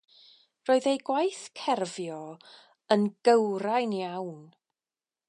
Roedd eu gwaith cerfio yn gywrain iawn.